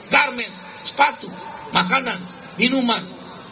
garmen sepatu makanan minuman